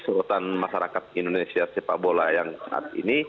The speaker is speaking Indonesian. sorotan masyarakat indonesia sepak bola yang saat ini